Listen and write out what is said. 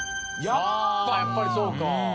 やっぱりそうか。